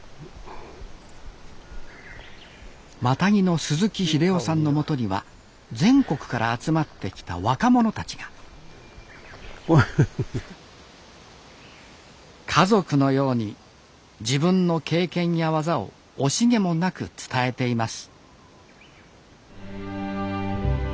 マタギの鈴木英雄さんのもとには全国から集まってきた若者たちが家族のように自分の経験や技を惜しげもなく伝えています